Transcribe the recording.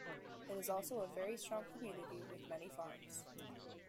It is also a very strong community with many farms.